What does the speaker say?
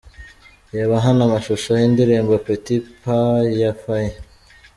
Reba hano amashusho y'indirimbo'Petit Pays'ya Faye .